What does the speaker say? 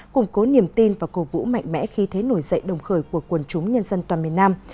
củng cố niềm tin và cổ vũ mạnh mẽ khi thế nổi dậy đồng khởi của quần chúng nhân dân toàn miền nam